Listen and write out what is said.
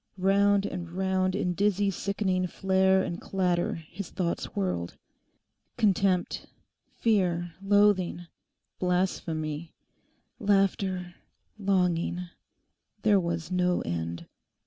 Round and round in dizzy sickening flare and clatter his thoughts whirled. Contempt, fear, loathing, blasphemy, laughter, longing: there was no end.